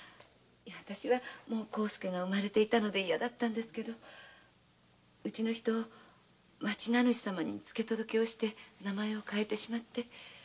私は幸助が産まれていて嫌だったんですけどウチの人町名主様につけ届けをして名前を変えてしまって。